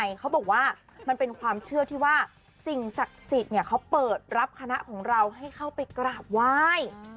ใช่เขาบอกว่ามันเป็นความเชื่อที่ว่าสิ่งศักดิ์สิทธิ์เนี่ยเขาเปิดรับคณะของเราให้เข้าไปกราบไหว้